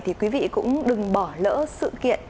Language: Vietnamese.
thì quý vị cũng đừng bỏ lỡ sự kiện